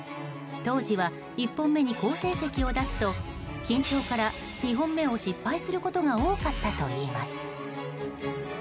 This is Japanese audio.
当時は１本目に好成績を出すと緊張から２本目を失敗することが多かったといいます。